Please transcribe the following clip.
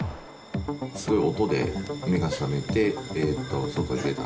すごい音で目が覚めて、外へ出た。